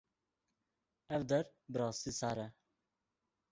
Ev der bi rastî sar e.